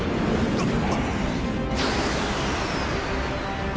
あっ。